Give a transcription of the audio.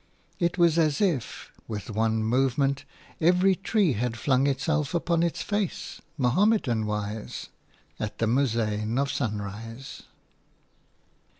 It was as if, with one movement, every tree had flung itself upon its face – Mahommedan wise – at the muezzin of sunrise.